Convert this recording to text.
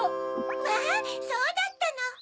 まぁそうだったの。